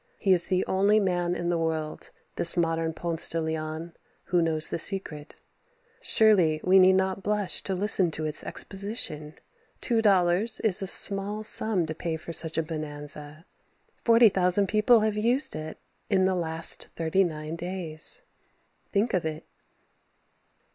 He is the only man in the world, this modern Ponce de Leon, who knows the secret. Surely we need not blush to listen to its exposition, $2 is a small sum to pay for such a bonanza. Forty thousand people have used it in the last thirty nine days. Think of it.